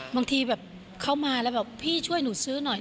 บางทีแบบเข้ามาแล้วแบบพี่ช่วยหนูซื้อหน่อย